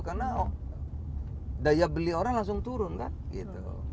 karena daya beli orang langsung turun kan